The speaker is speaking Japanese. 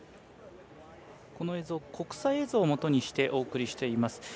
この映像、国際映像をもとにしてお送りしております。